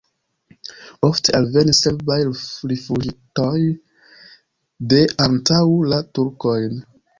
Ofte alvenis serbaj rifuĝintoj de antaŭ la turkojn.